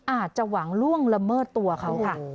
อาจจะหวังล่วงละเมิดตัวเขาค่ะ